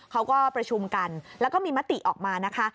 เขาก็ประชุมกันแล้วก็มีมติออกมานะคะ